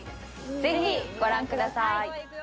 ぜひご覧ください。